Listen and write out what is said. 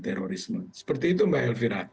terorisme seperti itu mbak elvira